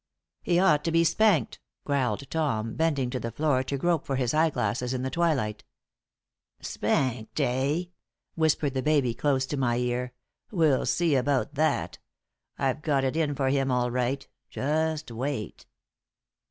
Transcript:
"He ought to be spanked," growled Tom, bending to the floor to grope for his eye glasses in the twilight. "Spanked, eh?" whispered the baby, close to my ear. "We'll see about that. I've got it in for him, all right. Just wait!"